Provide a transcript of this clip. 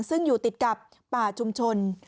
ซึ่งอยู่ติดกับป่าชุมชน